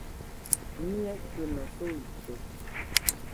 ¿Nɨekɨno suite?